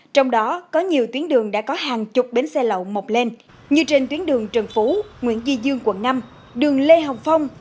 trong đó có nhiều tuyến đường đã có hàng chục bến xe lậu mọc lên như trên tuyến đường trần phú nguyễn di dương quận năm đường lê hồng phong